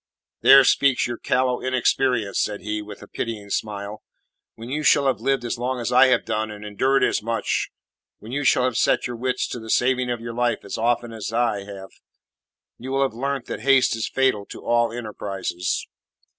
"There speaks your callow inexperience," said he, with a pitying smile. "When you shall have lived as long as I have done, and endured as much; when you shall have set your wits to the saving of your life as often as have I you will have learnt that haste is fatal to all enterprises.